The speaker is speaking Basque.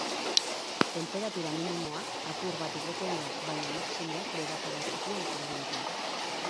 Tenperatura minimoak apur bat igoko dira, baina maximoek beherakada txikia izango dute.